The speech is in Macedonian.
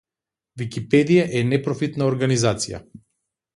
Википедија е непрофитна организација.